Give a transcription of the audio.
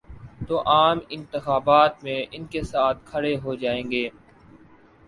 تو عام انتخابات میں ان کے ساتھ کھڑے ہو جائیں گے۔